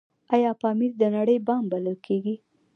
آیا پامیر د نړۍ بام بلل کیږي؟